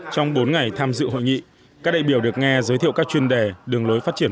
trong bốn ngày tham dự hội nghị các đại biểu được nghe giới thiệu các chuyên đề đường lối phát triển